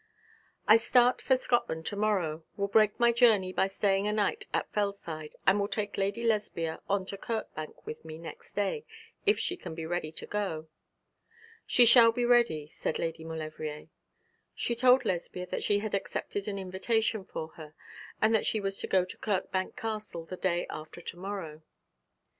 'I start for Scotland to morrow, will break my journey by staying a night at Fellside, and will take Lady Lesbia on to Kirkbank with me next day, if she can be ready to go.' 'She shall be ready,' said Lady Maulevrier. She told Lesbia that she had accepted an invitation for her, and that she was to go to Kirkbank Castle the day after to morrow.